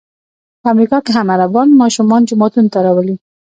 په امریکا کې هم عربان ماشومان جوماتونو ته راولي.